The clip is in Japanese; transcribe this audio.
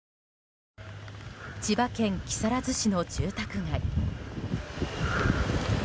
千葉県木更津市の住宅街。